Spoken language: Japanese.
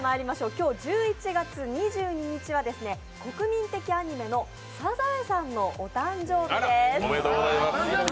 今日１１月２２日は国民的アニメのサザエさんのお誕生日です。